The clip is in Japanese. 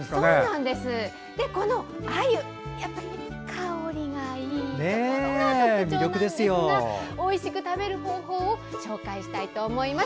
このあゆ、香りがいいのが特徴なんですがおいしく食べる方法を紹介したいと思います。